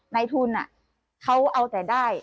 ในทุนเขาเอาแต่ได้